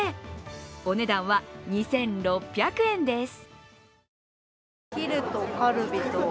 お値段は２６００円です。